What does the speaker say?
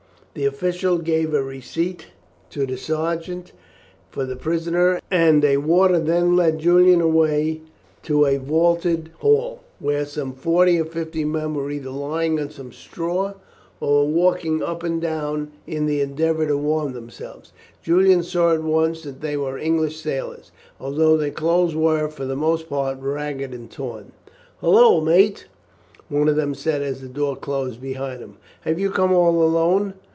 The official gave a receipt to the sergeant for the prisoner, and a warder then led Julian away to a vaulted hall, where some forty or fifty men were either lying on some straw or were walking up and down in the endeavour to warm themselves. Julian saw at once that they were English sailors, although their clothes were for the most part ragged and torn. "Hulloa, mate!" one of them said as the door closed behind him. "Have you come all alone?